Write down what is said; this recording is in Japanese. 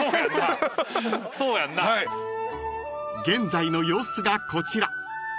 ［現在の様子がこちら］